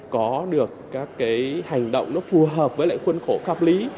có được các cái hành động nó phù hợp với lại khuôn khổ pháp lý